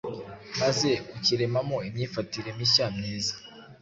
maze ukiremamo imyifatire mishya myiza